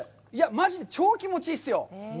マジで超気持ちいいっすよ。